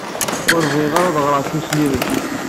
Ur bɣiɣ ara ad ɣreɣ tussniwin.